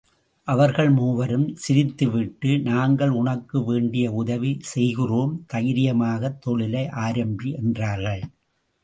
அவர்கள் மூவரும் சிரித்துவிட்டு நாங்கள் உனக்கு வேண்டிய உதவி செய்கிறோம் தைரியமாகத் தொழிலை ஆரம்பி என்றார்கள்.